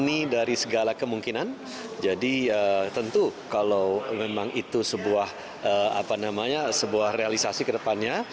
ini dari segala kemungkinan jadi tentu kalau memang itu sebuah realisasi kedepannya